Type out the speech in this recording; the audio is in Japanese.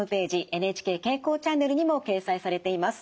ＮＨＫ健康チャンネルにも掲載されています。